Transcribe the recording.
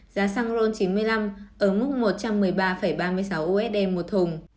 giá xăng ron chín mươi năm ở mức một trăm một mươi ba ba mươi sáu usd một thùng